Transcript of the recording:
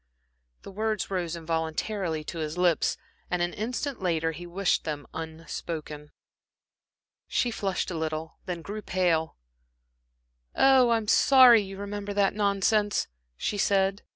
The words rose involuntarily to his lips, and an instant later he wished them unspoken. She flushed a little, then grew pale. "Oh, I'm sorry you remembered that nonsense," she said.